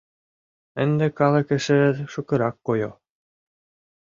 Ынде калык эше шукырак койо.